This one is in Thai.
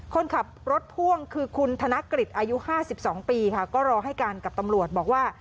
คนขับรถพ่วงคือคุณธนกฤษอายุ๕๒ปีค่ะก็รอให้การกับตำรวจบอกว่า